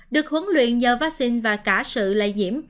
được huấn luyện nhờ vaccine và cả sự lây nhiễm